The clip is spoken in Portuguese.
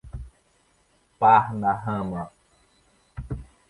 Parnarama